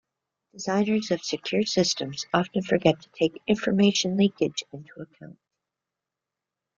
Designers of secure systems often forget to take information leakage into account.